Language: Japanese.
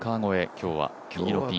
今日は右にピン。